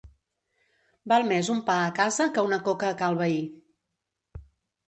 Val més un pa a casa que una coca a cal veí.